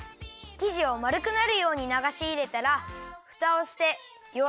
きじをまるくなるようにながしいれたらふたをしてよ